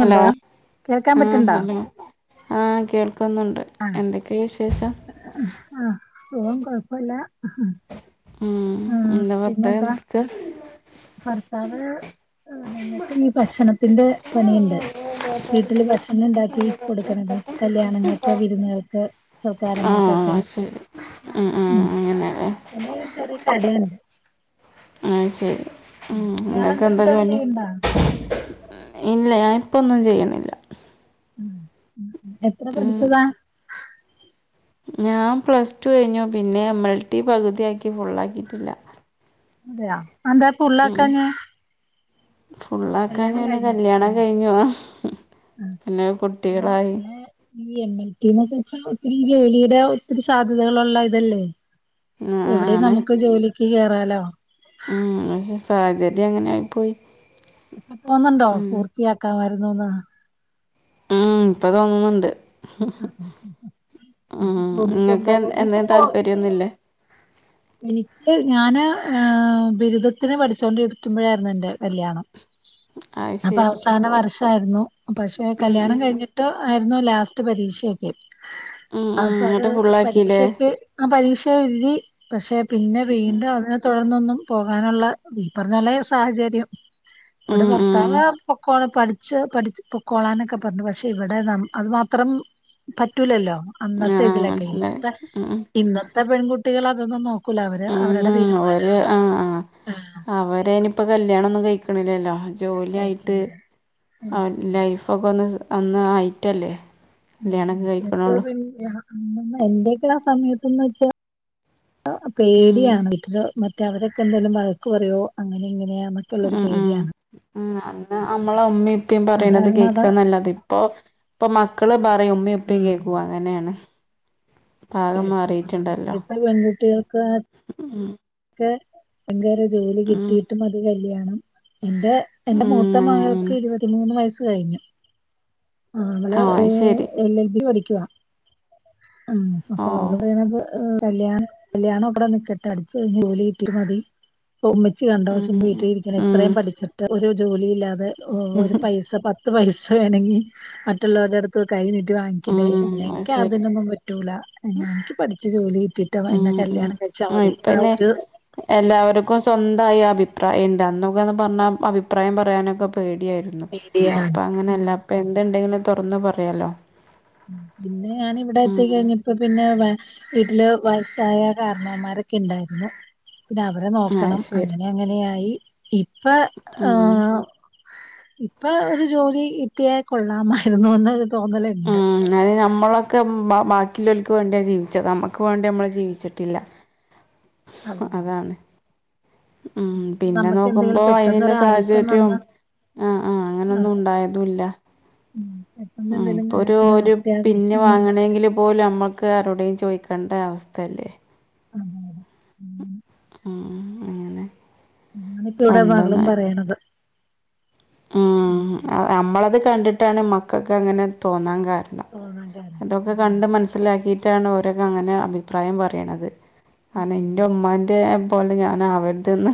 Hello? കേൾക്കാൻ ആ പറ്റ്ണ്ടോ ഹലോ ആഹ് കേൾക്കുന്നുണ്ട് ആഹ് എന്തൊക്ക കേ വിശേഷം ആഹ് സുഖം കൊഴപ്പല്ല ഹ ഹ് മ്ന്താ വെർതെ നിക്ക ഭർത്താവ് ങ്ങിട്ട് ഞീ ഭക്ഷണത്തിന്റെ പണിയിണ്ട് വീട്ടില് ഭക്ഷണം ണ്ടാക്കി കൊടുക്കണത്. കല്യാണങ്ങൾക്ക് വിരുന്നുകൾക്ക് ആഹ് സൽകാരങ്ങൾക്കൊക്കെ ശരി ഉം ഉം ഉം ഞമ്മള് ചേറ്യേ കട ണ്ട് അഹ് ശരി ഹും ങ്ങൾക്ക് ഇയാളെന്തേലും എന്തൊക്കെ ജോലി പണി ചെയ്യ്ണ്ടോ ഇല്ല ഞാൻ പ്പോ ഒന്നും ചെയ്യണില്ല ഉം എത്ര ഉം പഠിച്ചതാ ഞാൻ പ്ലസ് ടു കഴിഞ്ഞു പിന്നെ എം എൽ ടി പകുതി ആക്കി ഫുള്ളാക്കിയിട്ടില്ല. അതെയ ആ ന്താ ഫുള്ളാക്കാഞ്ഞേ ഫുള്ളാക്കാഞ്ഞ പിന്നെ കല്യാണം കഴിഞ്ഞപ്പത്തേനും കഴിഞ്ഞു ആ ഹും പിന്നെ അതാ കുട്ടികളായി ഈ എം എൽ ട്ടീ ന്ന് വച്ച ഒത്തിരി ജോലിയുടെ ഒത്തിരി സാധ്യതകളുള്ള ഇതല്ലേ ആ എവിടെ ആണ് നമുക്ക് ജോലിക്ക് കറാലോ ഉം പക്ഷെ സാഹചര്യം അങ്ങനായി പോയി ഇപ്പൊ തോന്ന്ണ്ടോ പൂർത്തിയാക്കാമായിരുന്നുന്ന് ഉം ഇപ്പ തോന്ന്ന്നുണ്ട് ഹും ഹും ആഹ് ഉം തോന്നിട്ട് എന്താ നിങ്ങൾക്ക് ഇനിയിപ്പോ എന്തേ പോ താല്പര്യം ഇനി ന്നും ല്ലേ എനിക്ക് ഞാന് ബിരുദത്തിന് പഠിച്ചോണ്ടിരിക്കുമ്പോഴായിരുന്നു എന്റെ കല്യാണം അത് അപ്പൊ ശരി അവസാന വർഷായിരുന്നു. പക്ഷെ ഉം കല്യാണം ഉം കഴിഞ്ഞി ട്ടോ ആയിരുന്നു ലാസ്റ്റ് പരീക്ഷക്കേ ഉം ഉം അപ്പൊ അത് എന്നിട്ട് ഫുള്ളാക്കില്ലേ പരീക്ഷക്ക് ആഹ് പരീക്ഷ എഴുതി പക്ഷെ പിന്നെ ഉം വീണ്ടും അതിനെ തുടർന്നൊന്നും പോകാനുള്ള ഈ പറഞ്ഞല്ലേ സാഹചര്യം ഇവിടെ ഉം ഉം ഭർത്താവ് പൊക്കോള പഠിച്ച് പഠി പൊക്കോളാനൊക്കെ പറഞ്ഞു പക്ഷെ ഇവിടെ നം അത് മാ ത്രം പറ്റൂലല്ലോ അന്നത്തെ ആഹ് ഇതിലൊക്കെ. മനസ്സിലായി ഇന്നത്തെ ഉം ഇന്നത്തെ പെൺകുട്ടികള അതൊന്നന്ന് നോ കുല അവര് ഉം അവരുടെ തീരുമാനാണ് ആഹ് അവര നിപ്പോൾ കല്യാണന്നും കഴിക്ക്ണില്ലല്ലോ ജോലിയായിട്ട് ആഹ് ലൈഫ് ഫോക്കെ ഒന്ന് അന്ന് ആയിട്ടല്ലേ ഉം കല്യാണൊക്കെ കഴിക്കണുള്ളൂ ഉം എന്തൊക്കെ ആഹ് സമയത്തന്ന് വെച്ചാ ആഹ് ഉം പേടിയാണ് വീട്ടിലോ മറ്റൊ മറ്റെ അവരെക്കേ ണ്ടല്ലോ വഴക്ക് പറയോ അങ്ങനെ ഇങ്ങനെ യാ ഉം ഉം ഉം അന്ന് അമ്മളെ ഉമമിം ഇപ്പീ അത് പറയണത് കാരണം അതാ കേൾക്കാ നല്ലത് ഇപ്പൊ ഇപ്പൊ മക്കള് പറയും ഉമമിം ഉപ്പി കേക്കും അങ്ങനെയാണ് പാകം കേക്ക അതാണ് മാറിയിട്ടുണ്ടല്ലോ ഇപ്പൊ പെൺകുട്ടികൾക്ക് ഉം ക്കെ ഭയങ്കേര ജോലി ഉം കിട്ടിയിട്ടു മതി കല്യാണം എന്റെ എന്റെ ഉം മൂത്തമകൾക്ക് അങ്ങനെയാണ് ഇരുപത്തിമൂന്ന് വയസ്സ് കഴിഞ്ഞു. ആഹ് അവളെ അത് ശരി എൽ എൽ ബി പഠിക്കുവാ ഉം ഓ അപ്പൊ അവള് പറയണത് കല്യാണം കല്യാണം അവിടെ നിക്കട്ടെ പഠിച്ചയിഞ്ഞ ജോലി കിട്ടിട്ട് മതി പ്പ ഒമ്മിച്ച് കണ്ടോ ചുമ ഉം വീട്ടിലിരിക്കണ ഉം ഇത്രയും പഠിച്ചിട്ട് ഒരു ജോലി ഇല്ലാതെ ഒരു പൈസ പ ത്ത് പൈസ വേണങ്കി മറ്റുള്ളവരടടുത്ത് കൈഞ്ഞീട്ട് വാങ്ങിക്കണ്ടേ അങ്ങനെ ഉം അത് ഇക്കി ശരി അതിനൊന്നും പറ്റൂല എനിക്ക് പഠിച്ചു ജോലി കിട്ടിട്ട് ഉം എന്നെ ഉം കല്യാണം കഴിച്ചാ ആഹ് മതി ആ ഇപ്പന്നെ ഒരു എല്ലാവർക്കും സ്വന്തയി അഭിപ്രായണ്ട് അന്നൊക്കെന്ന് പറഞ്ഞാ അഭിപ്രായം പറയാനൊക്കെ പേടിയായിരുന്നു മീഡിയാണ് ഇപ്പൊ അങ്ങനല്ല ഇപ്പൊ എന്തുണ്ടേലും തൊറന്ന് പറയാലോ പിന്നെ ഞാൻ ഇവിടെ എത്തി ഉം കഴി ഞ്ഞ്ട്ട് ഇപ്പൊ പിന്നെ വ വീട്ടില് വയസ്സായ കാരണന്മാരൊക്കെ ഉണ്ടായിരുന്നു പിന്നെ അവരെ അത് നോക്കണം ശരി അങ്ങനെ അങ്ങനെയായി ഇപ്പൊ ഉം ഏഹ് ഇപ്പൊ ഒരു ജോലി കിട്ടിയാ കൊള്ളാമായിരുന്നു എന്നൊരു തോന്നലുണ്ട് ഉം അത് നമ്മളൊക്കെ ബാ ബാക്കില്ലോ ൽക്ക് വേണ്ടിയ ജീവിച്ചത് നമ്മക്ക് വേണ്ടി നമ്മള് ജീവിച്ചിട്ടില്ല അതെ അതാണ് ഉം പിന്നെ നമുക്ക് എന്തെങ്കിലും നോക്കുമ്പോ അയിനുള്ള പെട്ടെന്നൊരാവശ്യം സാഹചര്യവും വന്നാ ആഹ് ആഹ് അങ്ങനൊന്നും അതെ ഉണ്ടായതൂല്ല ഉം പെട്ടെന്ന് ആ എന്തെങ്കിലും ഇപ്പൊ ഒരു കാര്യത്തിന് ഒരു പിന്ന് അത്യാവശ്യം വന്നാല് വാങ്ങണെങ്കിലും പോലും നമ്മക്ക് ആരോടെലും ചോദിക്കേണ്ട അവസ്ഥയല്ലേ അതെ അതെ ഉം മ്മ് അങ്ങനെ അതാപ്പം ഇവടെ മകളും പണ്ടൊന്ന് പറയ്ണത് ഉം നമ്മളത് കണ്ടിട്ടാണ് മക്കൾക്ക് അങ്ങനെ തോന്നാൻ കാരണം [inaudible] ഇതൊക്കെ അതാണ് കണ്ട് മനസ്സിലാക്കിയിട്ടാണ് ഓരൊക്കെ അങ്ങനെ അഭിപ്രായം പറയ്ണത് ഉം അത്ന്റെ ഉമ്മാന്റെ പോലെ ഞാൻ അവരുതെന്ന്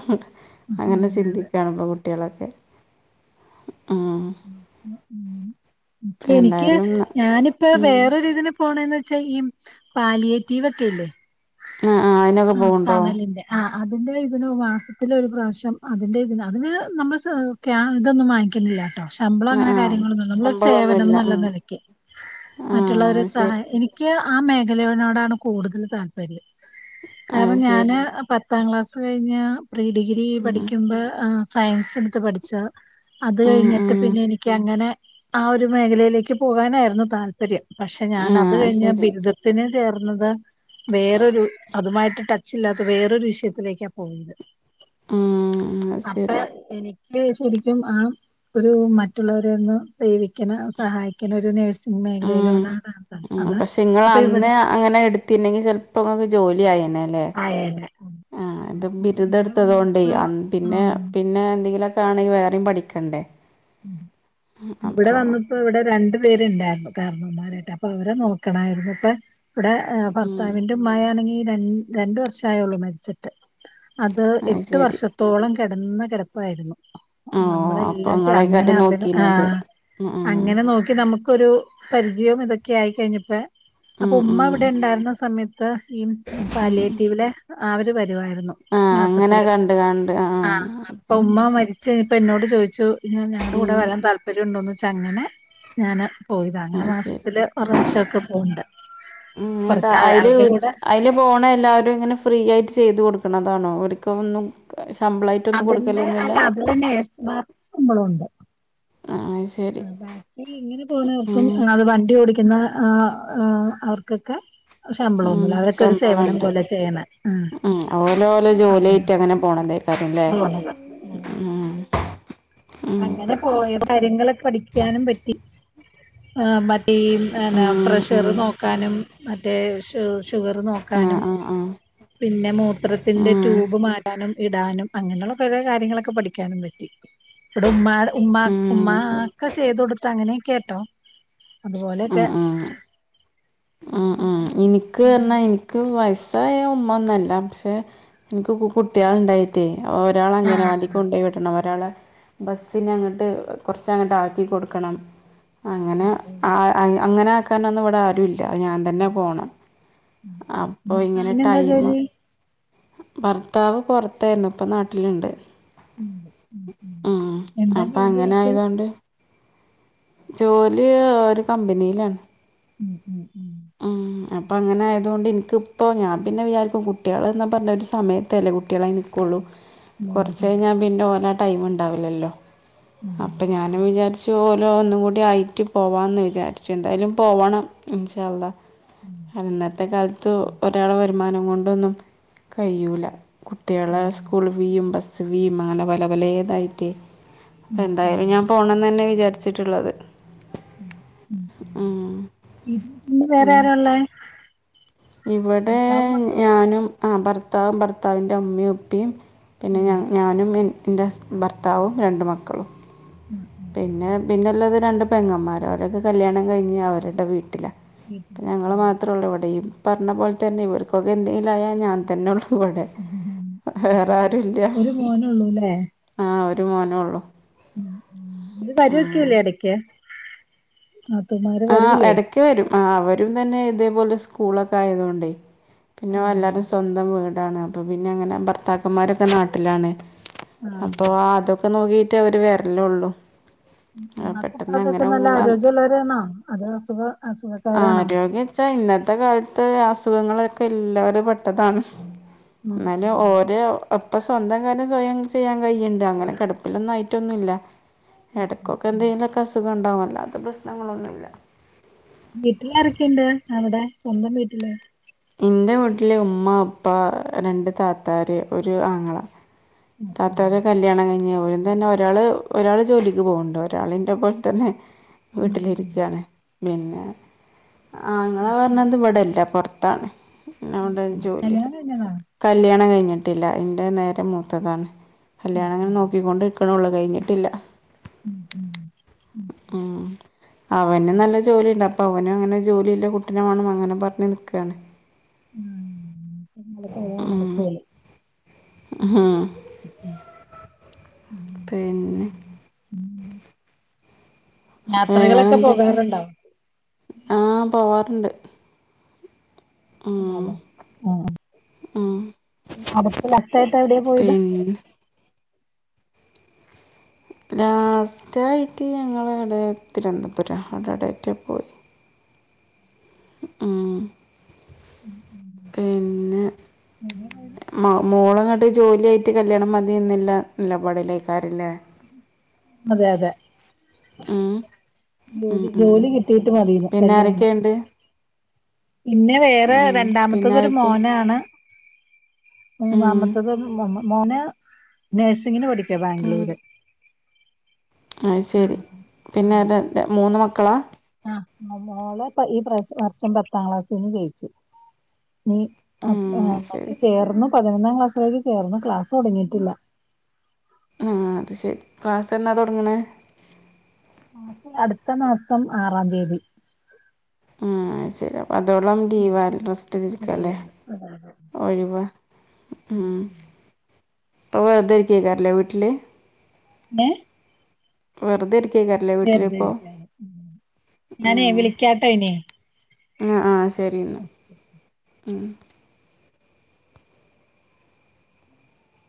അങ്ങനെ അതെ അതെ ചിന്തിക്കാണ് ഇപ്പൊ കുട്ട്യാളൊക്കെ മ്മ് എനിക്ക് എന്തായാലും ന ഞാനിപ്പോ ഉം വേറൊരിതിന് പോണന്ന് വെച്ചാ ഇപ്പൊ ഈ പാലിയെറ്റിവൊക്കെയില്ലേ ആ അതിനൊക്കെ ആ പോവുന്നുണ്ടോ തണലിന്റെ ആ അതിന്റെ ഇതിന് മാസത്തിലൊരു പ്രാവശ്യം അതിന്റെ ഇതിന് അതിന് നമ്മൾക്ക് ഇതൊന്നും വാങ്ങിക്കലില്ലട്ടോ ശമ്പളം ആ അങ്ങനെ ആ കാര്യങ്ങളൊന്നുല്ല നമ്മളൊരു സേവനം ശമ്പളമൊന്നുമില്ല നല്ല ഉം നെലക്ക് ആ മറ്റുള്ളവരെ ശരി സഹായിക്ക നിക്ക് നിക്ക് ആ മേഖലയോടാണ് കൂടുതൽ താല്പര്യം അത് കാരണം ശരി ഞാന് പത്ത് പത്താം ക്ലാസ് കഴിഞ്ഞ് പ്രീ ഡിഗ്രി ഉം പഠിക്കുമ്പോ ആ സയൻസ് എടുത്ത് പഠിച്ച അത് ഉം കഴിഞ്ഞിട്ട് ഉം പിന്നെ എനിക്ക് അങ്ങനെ ആ ഒരു മേഖലയിലേക്ക് പോകാനായിരുന്നു താല്പര്യം ല്പര്യം പക്ഷെ ഞാൻ അത് ആ കഴിഞ്ഞ് ശരി ബിരുദത്തിന് ചേർന്നത് വേറൊരു അതുമായിട്ട് ടച്ചില്ലാത്ത വേറൊരു വിഷയത്തിലേക്കാ പോയത് ഉം അത് അപ്പൊ ശരി എനിക്ക് ശരിക്കും ആ മറ്റുള്ളവരെയൊന്നു സേവിക്കണ സഹായിക്കണ ഒരു നേഴ്സ് ഉം മേഖലയിലോണ താൽപ ഉം അത് പക്ഷെ ഇങ്ങള് അപ്പൊ അന്ന് ഇവടെ അങ്ങനെ എടുത്തിനെങ്കിൽ ചെ ലപ്പോങ്ങക്ക് ജോലിയായേനേ അല്ലെ ആയേനെ ആ ത് പക്ഷെ ഇവിടെ ബിരുദെടുത്തത് കൊണ്ടെയ് വന്നപ്പോ പിന്നെ ആഹ് പിന്നെ എന്തെങ്കിലൊക്കാണെങ്കിൽ വേറെയും പഠിക്കണ്ടേ ഇവടെ അപ്പൊ വന്നിട്ട് ഇപ്പ ഇവിടെ രണ്ടു പേരുണ്ടായിരുന്നു കാരണോമാരായിട്ട് അപ്പൊ അവരെ നോക്കണായിരുന്നു ഇപ്പ ഇവിടെ ഉം ഭർത്താവിന്റെയുമ്മയാണെങ്കി രണ്ട രണ്ട് വർഷേ ആയുള്ളൂ മരിച്ചി ട്ട് അത് എട്ട് വർഷത്തോളം കെടന്നകെടപ്പായിരുന്നു ഓ അപ്പൊ നമ്മളെല്ലാം ചെ അങ്ങനെ ഇങ്ങളേക്കാരം അതിന് നോക്കീനത് ആഹ് ഉം അങ്ങനെ നോക്കി നമുക്കൊരു പരിചയം ഇതൊക്കെ ആയിക്കഴിഞ്ഞപ്പോ അപ്പൊ ഉം ഉമ്മ ഉം ഇവിടെ ഉണ്ടായിരുന്ന സമയത്ത് ഈ പാലിയേറ്റിവിലെ അവര് വരുവായിരുന്നു ആഹ് അങ്ങനെ കണ്ട് കണ്ട് ആഹ് അപ്പ ഉമ്മ മരിച്ച് കയിഞ്ഞപ്പോ എന്നോട് ചോദിച്ചു ഞങ്ങളുടെ കൂടെ ഉം വരാൻ താല്പര്യണ്ടോന്ന് ചോയ്ച്ചു അങ്ങനെ ഞാന് പോയതാ അങ്ങനെ അത് ശരി മാസത്തില് ഒര് പ്രാവശ്യോക്കെ പോവണ്ട് ഉം എന്നിട്ട് കൊറച്ച് അയില് അവരുടെ കൂടെ അയില് പോണ എല്ലാവരും ഇങ്ങനെ ഫ്രീ ആയിട്ട് ചെയ്ത് കൊടുക്കണതാണോ ഓര്ക്കൊന്നും ശമ്പളായിട്ട് അതിന്റെ അല്ല അതിലെ നേഴ്‌സ്മാർക്ക് ശമ്പളോണ്ട് ആ അയ്ശെ ആ ബാക്കി ഇങ്ങനെ പോണവർക്കും അത് വണ്ടി ഓടിക്കുന്ന ആ അവർക്കൊക്കെ ആഹ് ശമ്പളൊന്നുല്ല അവരൊക്കെ ഒരു സേവനം ശമ്പളണ്ട് പോലെ ചെയ്യണെ ആഹ് ഓല് ഓലെ ജോലിയായിറ്റ് അങ്ങനെ പോണല്ലെ കാരംല്ലേ പോണത് ആഹ് അങ്ങനെ പോയ കാര്യങ്ങളൊക്കെ പഠിക്കാനും പറ്റി ആ മറ്റേ ഈ ന്നെ ഉം പ്രഷർ ഉം നോക്കാനും മറ്റേ ഷു ഷുഗറ് ആഹ് നോക്കാനും ആഹ് ആഹ് പിന്നെ മൂത്രത്തിന്റെ ഉം ട്യൂബ് മാറ്റാനും ഇടാനും അങ്ങനെള്ള കൊറേ കാര്യങ്ങളൊക്കെ പഠിക്കാനും പറ്റി ഇവിടെ ഉമ്മായ്ടെ ഉമ്മാ ഉം ശരി ഉമ്മാക്കെ ചെയ്ത കൊടുത്ത് അങ്ങനെയെക്കെയാട്ടോ ഉം അതുപോലെയൊക്കെ ഉം ഇൻക്ക് വയസ്സായ ഉമ്മ ഒന്നല്ല പക്ഷെ ഇൻക്ക് കുട്ടിയാള്ണ്ടായി റ്റെ ഒരാളെ ആഹ് അംഗനവാടിക്ക് കൊണ്ടോയി വിടണം ഒരാളെ ബസ്സിന അങ്ങട്ട് കൊറച്ചങ്ങട്ട് ആക്കി കൊട്ക്കണം. അങ്ങനെ ആ അങ്ങനെ ആക്കാന് ഒന്നും ഇവിടെ ആരുല്ല ഞാൻ തന്നെ പോണം അപ്പൊ ഇങ്ങനെ ഭർത്താവിന് എന്താ ടൈമ്. ജോലി ഭർത്താവ് പൊറത്തെയിന്നു ഇപ്പ നാട്ടിലുണ്ട് ഉം എന്താ അപ്പോൾ ജോലിയ അങ്ങനെ ആക്ക് ആയതുകൊണ്ട് ജോലി ഒരു കമ്പനീലാണ് ഉം ഉം ഉം അപ്പ അങ്ങനെ ആയതുകൊണ്ട് ഇൻക്കിപ്പോ ഞാൻ പിന്നെ വിചാരിക്കും കുട്ടിയാൾന്നാ പറഞ് ഒരു സമയത്ത അല്ലേ കുട്ടികളെ നിൽ ക്കൊളു ഉം കൊറച്ച ഉം കയിഞ്ഞാ പിന്നെ ഓനാ ടൈമ് ഇണ്ടാവില്ലല്ലോ ഉം അപ്പൊ ഞാനും വിചാരി ച്ചു ഓലു ഒന്നും കൂടി ആയിട്ട് പോവാന്ന് വിചാരിച്ചു എന്തായാലും പോവണം ഇൻഷാ അള്ളാ അന്നത്തെ കാലത്ത് ഒരാളെ വരുമാനം കൊണ്ടൊന്നും കഴിയൂല ഉം കുട്ടിയാളെ സ്കൂള് ഫീയും ബസ്സ് ഫീയും അങ്ങനെ പലെ പലെതായിട്ടേ ഉം എന്തായാലും ഞാൻ പോണംന്നന്നെ വിചാരിച്ചിട്ട്ള്ളത് ഉം ഉം. ഇ വേറെ ആര ഉള്ളെ? ഇവടെ ഞാനും ആ ഭർത്താവും ഭർത്താവിൻ്റെ ഉമ്മിം ഉപ്പിം പിന്നെ ഉം ഞാനും എന്റെ ഹസ് ഭർത്താവും രണ്ട് മക്കളും ഉം ഉം പിന്നെ പിന്നെള്ളത് രണ്ട് പെങ്ങന്മാര അവരൊക്കെ കല്യാണം കഴിഞ്ഞ് അവര്ടെ വീട്ടിലാ വീട്ടിൽ ഇപ്പ ഞങ്ങള് ഉം മാത്ര ഒള്ളൂ ഇവിടെയും പറഞ്ഞ പോലെ തന്നെ ഇവർക്കൊക്കെ എന്തെങ്കിലുമായാൽ ഞാൻ തന്നെ ഒള്ളു ഇവടെ വേറെ ആരുല്ല ഒരു മോനൊള്ളൂല്ലേ? ആഹ് ഒരു മോനേ ഒള്ളു ഉം ഉം അവരുവക്കല്ലേ എടക്ക് നാത്തൂൻമാര് വരൂലേ ക്കെ വരും അവരും തന്നെ ഇതേപോലെ സ്കൂളൊക്കെ ആയതോണ്ടേ പിന്നെ എല്ലരും സ്വന്തം വീടാണ് അപ്പൊ പിന്നെ അങ്ങനെ ഭർത്താക്കന്മാരൊക്കെ നാട്ടിലാണ് ആഹ്. അപ്പൊ അതൊക്കെ നോക്കിറ്റെ അവര് വര്ലൊള്ളു ഉമ്മാക്കുപ്പാക്കൊക്കെ നല്ല ആരോഗ്യള്ളോരണോ അതോ അസുഖ അസുഖക്കാരാണോ? ആരോഗ്യ വെച്ചാ ഇന്നത്തെ കാലത്ത് അസുഖങ്ങളൊക്കെ എല്ലാരും പെട്ടതാണ് ഉം. ഇന്നാലും ഓരെ ഒപ്പ സ്വന്തം കാര്യം സ്വയം ചെയ്യാൻ കയ്യ്ണ്ട് അങ്ങനെ കെട പ്പിലൊന്നു ആയിറ്റൊന്നുല്ല ഉം ഉം എടക്കൊക്കെ ഉം. എന്തെങ്കിലുക്കെ അസുഖം ഇണ്ടാവും അല്ലാതെ പ്രശ്നങ്ങളൊന്നുല്ല. വീട്ടിലാരെക്കെണ്ട് അവ്ടെ സ്വന്തം വീട്ടില് ഇൻ്റെ വീട്ടില് ഉമ്മ ഉപ്പ രണ്ട് താത്താാര് ഒരു ആങ്ങളാ ഉം ഉം. താത്തരെ കല്യാണം കഴിഞ്ഞ് ഓലും തന്നെ ഒരാള് ഒരാള് ജോലിക്ക് പോവ്ണ്ട് ഒരാളിന്റെ പോൽ തന്നെ ഉം ഉം. വീട്ടിലിരിക്കാണ് പിന്നെ ആങ്ങള ഉം ഉം. പറഞ്ഞത് ഇവിടല്ല പൊർത്താണ് ഓന് അവിടെ ഓക്കെ. ജോലിയ കല്യാണം കഴിഞ്ഞതാ? കല്യാണം കഴിഞ്ഞിട്ടില്ല ഇന്റെ നേരെ മൂത്തതാണ് ഉം കല്യാണം ഉം. ഇങ്ങനെ നോക്കിക്കൊണ്ട് ക്കാ ക്ക്നൊള്ളു കഴിഞ്ഞിട്ടില്ല. ഉം ഉം ഉം ഉം അവനും നല്ല ജോലി ഉണ്ട്. അപ്പൊ അവനും അങ്ങനെ ജോലി ഇല്ലെ കുട്ടിനെ വേണം അങ്ങനെ പറഞ്ഞ് നിക്കാണ്. ഉം [unintelligible] ഉം. നടക്ക [unintelligible] ല് ഉം ഉം ഉം പിന്നെ യാത്രകളൊക്കെ പോകാറുണ്ടോ ആഹ് പോവാറ്ണ്ട് വലെ ആഹ് ഉം അകത്ത്ലട്ടായിട്ടാടി പോയത്. ഉം. ലാസ്റ്റായിട്ട് ഞങ്ങള് ഇടെ തിരുവന്തപുരം അവടെ ഡേറ്റെ പോയി. ഉം ഉം പിൻ പിന്നെ. [unintelligible] പോയത് മ മോള്ങ്ങട്ട് ജോലിയായിട്ട് കല്യാണം മതി ഇന്ന്ല്ല നിലപാടില്ലേക്കാരലെ അതെ അതെ. ഉം ഉം ഉം ജോലി ഉം ജോലി കിട്ടീട്ട് മതീന്ന് പിന്നെ കല്യാണം. ആരൊക്കെയുണ്ട് പിന്നെ വേറെ ഉം പിന്നെ രണ്ടാമത്തെതൊരു ആരൊക്കെയാ മോനാണ്. ഉം മൂന്നാമത്തത് മോ മോ മോന് നഴ്സിങ്ങിന് പഠിക്ക ബാംഗ്ലൂര്. അയ് ആ ശെരി പിന്നെ മൂന്ന് മക്കളാ. ആഹ് മോളെപ്പ ഈ പ്ര വർഷം പത്താം ക്ലാസ്സിന്ന് ജയിച്ച് നീ. അഹ് ആഹ് പത്ത് ശരി ചേർന്ന് പതിനൊന്നാം ക്ലാസ് വഴി ചേർന്ന് ക്ലാസ് തൊടങ്ങീറ്റില്ല. ആഹ് അത് ശെരി ക്ലാസ്സ് എന്നാ തൊടങ്ണ്. ക്ലാസ്സ് അട്ത്ത മാസം ആറാം തീയതി. ആഹ് അയ് ശരി അപ്പ അതോളം ലീവ [unintelligible] റസ്റ്റ്രിരിക്കല്ലേ? ഒഴിവ് ഉം. ഇപ്പൊ വെർതെളരികയിക്കാര ലേ വീട്ടില്. ഏഹ്. വെറ്തെ ഇരിക്കൈകാരല്ലേ വീട്ടില് ഇപ്പൊ ചേർത്തിരിക്കാ ഞാനേ ഉം. വിളിക്കാട്ടോ ഇനി ആഹ് ആഹ് ശെരി ഇന്ന ഉം.